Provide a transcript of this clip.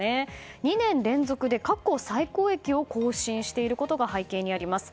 ２年連続で過去最高益を更新していることが背景にあります。